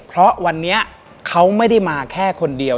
เพราะวันนี้เขาไม่ได้มาแค่คนเดียว